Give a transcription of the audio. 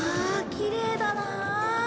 きれいだな。